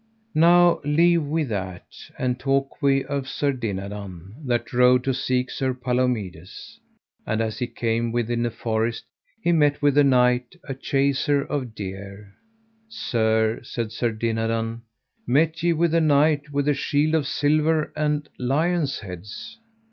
Now leave we that, and talk we of Sir Dinadan, that rode to seek Sir Palomides. And as he came within a forest he met with a knight, a chaser of a deer. Sir, said Sir Dinadan, met ye with a knight with a shield of silver and lions' heads?